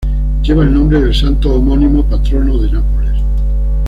Lleva el nombre del santo homónimo, patrono de Nápoles.